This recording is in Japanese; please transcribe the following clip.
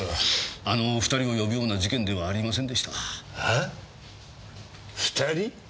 あのお２人を呼ぶような事件ではありませんでした。